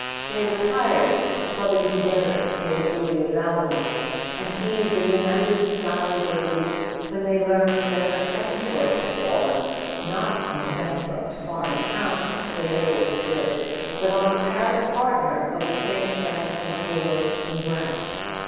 They were tired of clubbing together to pay Julia's alimony, and heaved a united sigh of relief when they learned that her second choice had fallen, not on the bankrupt "foreign Count" [ 49 ] A SON AT THE FRONT they had always dreaded, but on the Paris partner of the famous bank of Bullard and Brant.